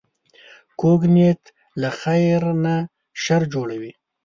کوږ نیت له خیر نه شر جوړوي